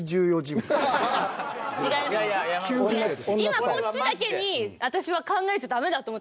今こっちだけに私は考えちゃダメだと思って。